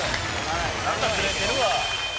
なんかずれてるわ。